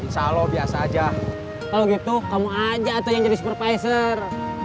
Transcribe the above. kalau gitu kamu aja yang jadi supervisor